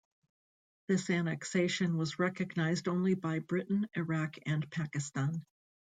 This annexation was recognized only by Britain, Iraq and Pakistan.